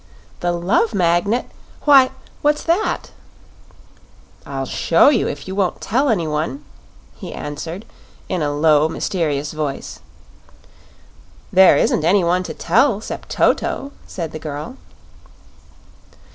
"The Love Magnet! Why, what's that?" "I'll show you, if you won't tell any one," he answered, in a low, mysterious voice. "There isn't any one to tell, 'cept Toto," said the girl.